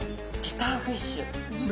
ギターフィッシュ。